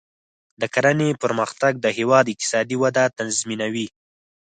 د کرنې پرمختګ د هیواد اقتصادي وده تضمینوي.